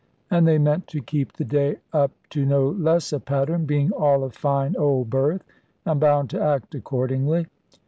And they meant to keep the day up to no less a pattern, being all of fine old birth, and bound to act accordingly.